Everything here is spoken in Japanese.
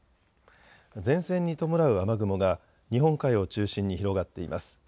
前線に伴う雨雲が日本海を中心に広がっています。